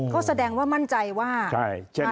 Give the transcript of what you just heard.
ก็แสดงว่ามั่นใจว่ามาทางนี้แน่นอน